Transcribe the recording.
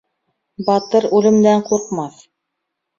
Батыр үлемдән ҡурҡмаҫ.